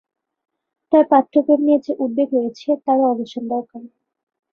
তার পাঠ্যক্রম নিয়ে যে উদ্বেগ রয়েছে, তারও অবসান দরকার।